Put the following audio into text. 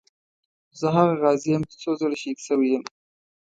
زه هغه غازي یم چې څو ځله شهید شوی یم.